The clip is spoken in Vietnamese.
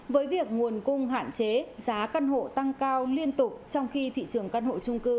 với việc nguồn cung hạn chế giá căn hộ tăng cao liên tục trong khi thị trường căn hộ trung cư